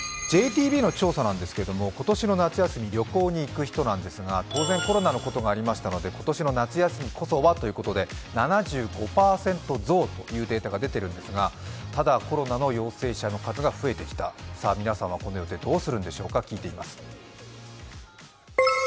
ＪＴＢの調査なんですけれども今年の夏休み旅行に行く人なんですが当然コロナのことがありましたので、今年の夏休みこそはということで７５％増というデータが出てるんですが、ただコロナの陽性者の数が増えてきた、さぁ、皆さんはこの予定どうするんでしょうか、聞いています。